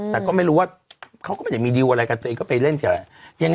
แต่ก็ไม่รู้ว่าเค้ากดจะมีดิวอะไรกันจะไปเล่นเมื่อกี้ว่านี้